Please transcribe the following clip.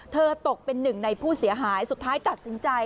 ตกเป็นหนึ่งในผู้เสียหายสุดท้ายตัดสินใจ